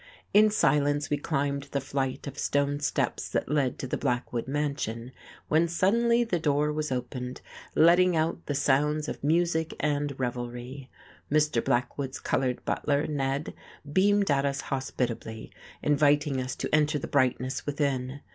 In silence we climbed the flight of stone steps that led up to the Blackwood mansion, when suddenly the door was opened, letting out sounds of music and revelry. Mr. Blackwood's coloured butler, Ned, beamed at us hospitably, inviting us to enter the brightness within.